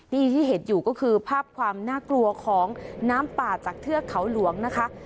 นี่ที่เห็นอยู่ก็คือภาพความน่ากลัวของน้ำป่าจากเทือกเขาหลวงนะคะ